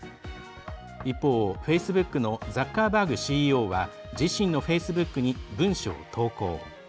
一方、フェイスブックのザッカーバーグＣＥＯは自身のフェイスブックに文書を投稿。